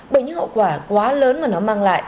bởi những hậu quả quá lớn mà nó mang lại